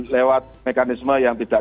lewat mekanisme yang tidak